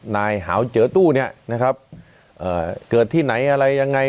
นายหาวเจอตู้เนี่ยนะครับเกิดที่ไหนอะไรยังไง